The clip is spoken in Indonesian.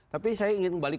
tapi saya ingin kembali